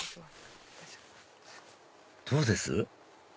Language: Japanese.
どうです？